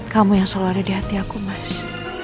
kamu yang selalu ada di hati aku mas